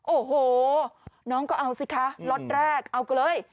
โอ้โหน้องก็เอาสิคะล็อตแรกเอาก็เลย